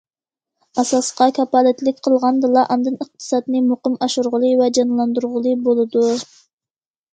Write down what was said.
ئاساسقا كاپالەتلىك قىلغاندىلا، ئاندىن ئىقتىسادنى مۇقىم ئاشۇرغىلى ۋە جانلاندۇرغىلى بولىدۇ.